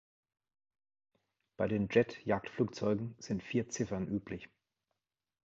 Bei den Jet-Jagdflugzeugen sind vier Ziffern üblich.